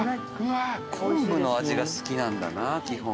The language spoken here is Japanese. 昆布の味が好きなんだな基本。